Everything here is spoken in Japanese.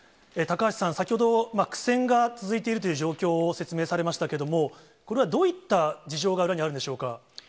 高橋さん、先ほど苦戦が続いているという状況を説明されましたけれども、これはどういった事情が裏にあるんでしょうか。